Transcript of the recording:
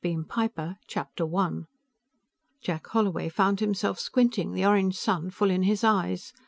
Beam Piper I Jack Holloway found himself squinting, the orange sun full in his eyes.